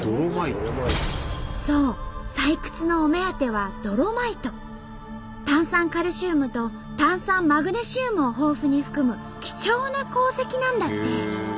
そう採掘のお目当ては炭酸カルシウムと炭酸マグネシウムを豊富に含む貴重な鉱石なんだって。